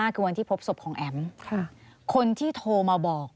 คือวันที่พบศพของแอ๋ม